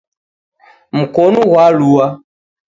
Mkonu ghwalua